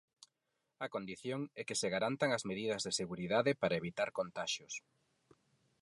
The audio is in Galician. A condición é que se garantan as medidas de seguridade para evitar contaxios.